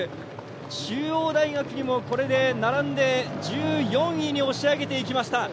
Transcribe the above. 中央大学にも、これで並んで１４位に押し上げていきました。